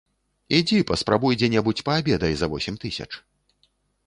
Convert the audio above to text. Ідзі, паспрабуй дзе-небудзь паабедай за восем тысяч.